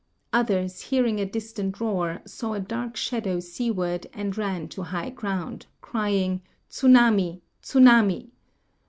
Others, hearing a distant roar, saw a dark shadow seaward and ran to high ground, cry ing "Tkunaiju tsunami!